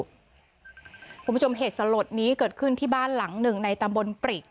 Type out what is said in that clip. คุณผู้ชมเหตุสลดนี้เกิดขึ้นที่บ้านหลังหนึ่งในตำบลปริก